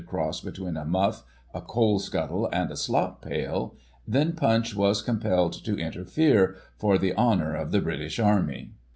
cross between a muff, a coal scuttle and a slop pail, then PuncA was compelled to interfere, for the honour of the British Army.